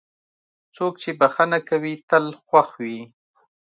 څوک چې بښنه کوي، تل خوښ وي.